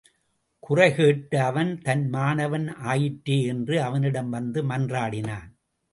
குறை கேட்ட அவன் தன் மாணவன் ஆயிற்றே என்று அவனிடம் வந்து மன்றாடினான்.